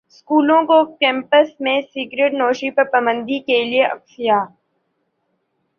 سکولوں کو کیمپس میں سگرٹنوشی پر پابندی کے لیے اکسایا